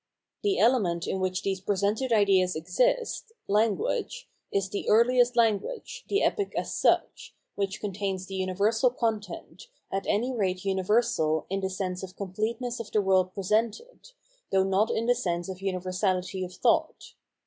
The element in which these presented ideas exist, language, is the earliest language, the Efie as such, which contains the universal content, at any rate universal in the sense 740 Phenomenology of Mind of completeness of tte world presented, though, not in the sense of universality of thought.